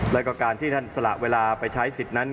แล้วก็การที่ท่านสละเวลาไปใช้สิทธิ์นั้น